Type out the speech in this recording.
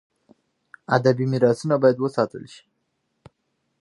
. ادبي میراثونه باید وساتل سي.